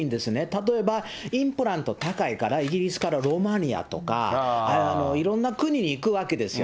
例えばインプラント高いからイギリスからルーマニアとか、いろんな国に行くわけですよ。